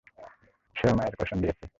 সেও মায়ের কসম দিয়েছে!